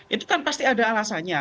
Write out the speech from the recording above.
itu kan pasti ada alasannya